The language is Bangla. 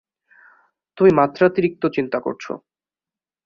তুমি মাত্রাতিরিক্ত চিন্তা করছো।